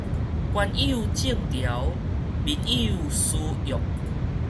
官有正條，民有私約